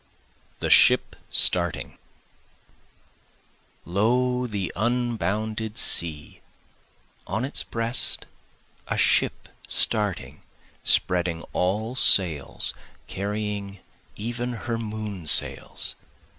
The Ship Starting Lo, the unbounded sea, On its breast a ship starting, spreading all sails, carrying even her moonsails.